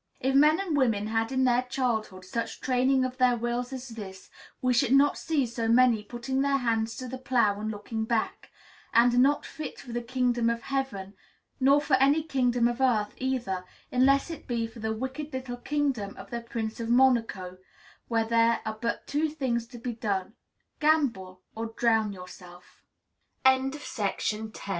If men and women had in their childhood such training of their wills as this, we should not see so many putting their hands to the plough and looking back, and "not fit for the kingdom of heaven." Nor for any kingdom of earth, either, unless it be for the wicked little kingdom of the Prince of Monaco, where there are but two things to be done, gamble, or drown yourself. The Descendants of